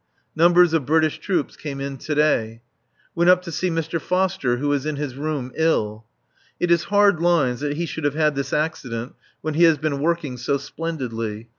Numbers of British troops came in to day. Went up to see Mr. Foster, who is in his room, ill. It is hard lines that he should have had this accident when he has been working so splendidly.